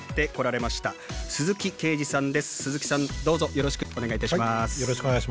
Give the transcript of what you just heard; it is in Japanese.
よろしくお願いします。